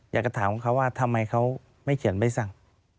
อยากจะถามเขาว่าทำไมเขาไม่เขียนใบสั่ง